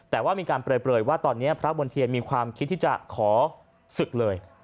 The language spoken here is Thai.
แต่ว่ามีการเปลยว่าตอนนี้พระมณ์เทียนมีความคิดที่จะขอศึกเลย